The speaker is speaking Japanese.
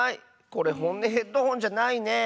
これほんねヘッドホンじゃないね。